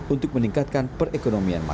untuk meningkatkan perekonomian masyarakat